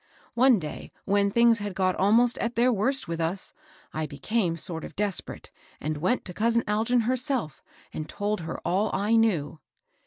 One day when things had got almost at their worst with us, I became sort of desperate, and went to cousin Algin herself, and told her all I knew."